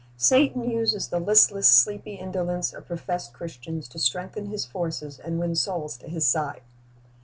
Satan uses the listless, sleepy indolence of professed Christians to strengthen his forces and win souls to his side.